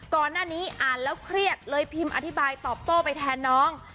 ก่อนหน้านี้อ่านแล้วเครียดเลยพิมพ์อธิบายตอบโต้ไปแทนน้อง